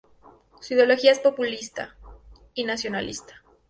Su ideología es populista y nacionalista.